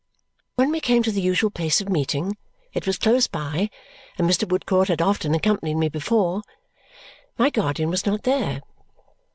When we came to the usual place of meeting it was close by, and Mr. Woodcourt had often accompanied me before my guardian was not there.